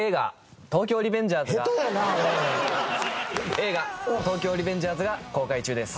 映画『東京リベンジャーズ』が公開中です。